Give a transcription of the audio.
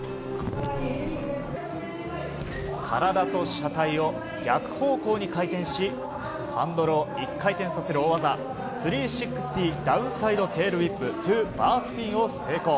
体と車体を逆方向に回転しハンドルを１回転させる大技３６０ダウンサイドテールウィップトゥバースピンを成功。